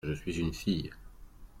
Je suis une fille.